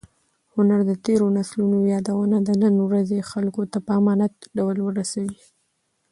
هنر د تېرو نسلونو یادونه د نن ورځې خلکو ته په امانت ډول رسوي.